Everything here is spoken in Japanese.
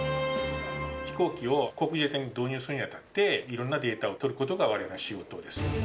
飛行機を航空自衛隊に導入するにあたって、いろんなデータを取ることがわれわれの仕事です。